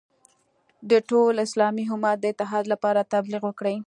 د ټول اسلامي امت د اتحاد لپاره تبلیغ وکړي.